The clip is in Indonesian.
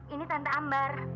ini tante ambar